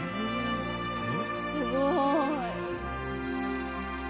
すごい！